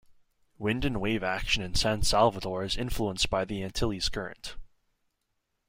Wind and wave action in San Salvador is influenced by the Antilles Current.